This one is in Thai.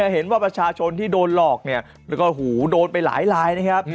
เห็นว่าประชาชนที่โดนหลอกเนี่ยแล้วก็หูโดนไปหลายลายนะครับ